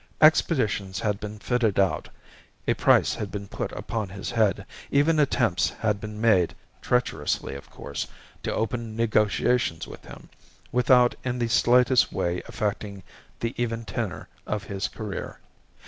Expeditions had been fitted out; a price had been put upon his head; even attempts had been made, treacherously of course, to open negotiations with him, without in the slightest way affecting the even tenor of his career.